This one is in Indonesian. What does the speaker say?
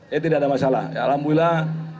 ya tidak ada masalah alhamdulillah